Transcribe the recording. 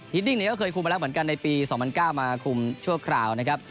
ฮิดดิ่งเหมือนกันเคยคุมมาแล้วในปี๒๐๐๙มาคุมชั่วคราวนะครับ